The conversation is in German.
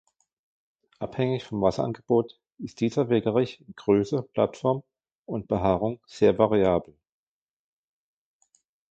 Abhängig vom Wasserangebot ist dieser Wegerich in Größe, Blattform und Behaarung sehr variabel.